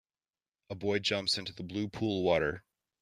a boy jumps into the blue pool water.